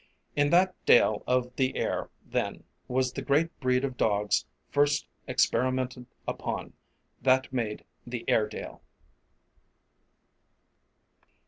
In that dale of the Aire, then, was the great breed of dogs first experimented upon, that made the Airedale.